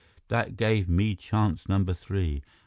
That gave me chance number three.